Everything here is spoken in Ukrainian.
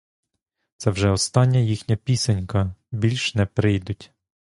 Це вже остання їхня пісенька, більш не прийдуть.